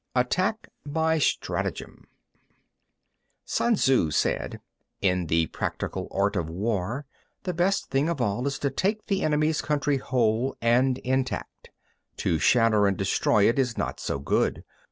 ATTACK BY STRATAGEM 1. Sun Tzŭ said: In the practical art of war, the best thing of all is to take the enemy's country whole and intact; to shatter and destroy it is not so good.